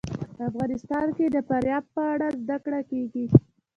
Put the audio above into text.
افغانستان کې د فاریاب په اړه زده کړه کېږي.